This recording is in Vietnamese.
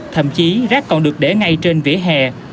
thậm chí rác còn được để ngay trên vỉa hè